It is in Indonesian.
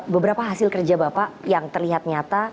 beberapa hasil kerja bapak yang terlihat nyata